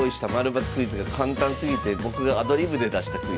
○×クイズが簡単すぎて僕がアドリブで出したクイズです。